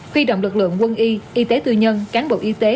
huy động lực lượng quân y y tế tư nhân cán bộ y tế